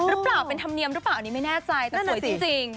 หรือเปล่าเป็นธรรมเนียมหรือเปล่าอันนี้ไม่แน่ใจแต่สวยจริง